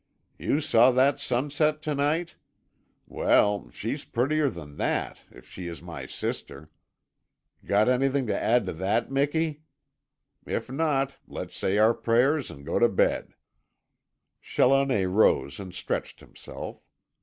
You saw that sunset to night? Well, she's prettier than THAT if she is my sister. Got anything to add to that, Miki? If not, let's say our prayers and go to bed!" Challoner rose and stretched himself.